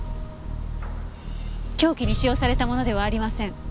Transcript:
凶器に使用されたものではありません。